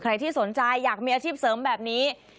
ใครที่สนใจอยากมีอาชีพเสริมแบบนี้